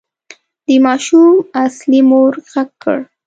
د ماشوم اصلي مور غږ کړ.